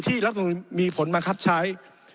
ที่ลักษณะลักษณะลักษณะมีผลมาครับใช้